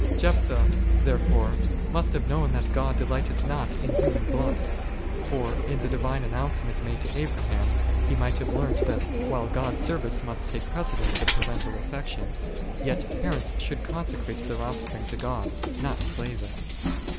Jephthah, therefore, must have known that God delighteth not in human blood ; for in the divine an nouncement made to Abraham, he might have learnt that while God's sendee must take precedence of parental affections, yet parents should consecrate their offspring to God, not slay them.